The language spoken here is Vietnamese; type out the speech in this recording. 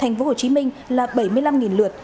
hồ chí minh là bảy mươi năm lượt